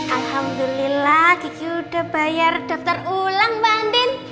alhamdulillah kiki udah bayar daftar ulang mbak andin